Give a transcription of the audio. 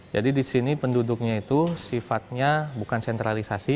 jadi di sini penduduknya itu sifatnya bukan sentralisasi